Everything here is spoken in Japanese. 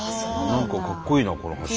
何かかっこいいなこのハチ。